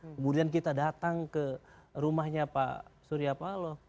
kemudian kita datang ke rumahnya pak surya paloh